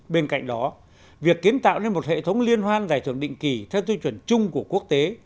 bên cạnh đó việc kiến tạo nên một hệ thống liên hoan giải thưởng định kỳ theo tiêu chuẩn chung của quốc tế